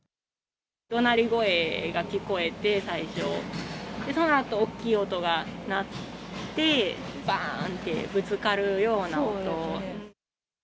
どなり声が聞こえて、最初、そのあと、おっきい音が鳴って、ばーんって、ぶつかるような音。